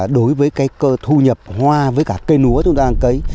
đối với cái thu nhập hoa với cả cây lúa chúng ta đang cấy